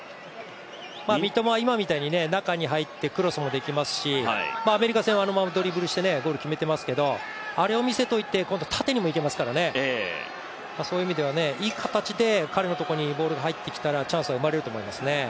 三笘、今みたいに中に入ってクロスもできますしアメリカ戦はあのままドリブルをして、ゴールを決めてますけどあれを見せておいて、縦にもいけますから、そういう意味ではいい形で彼のとこにボールが入ってきたらチャンスは生まれると思いますね。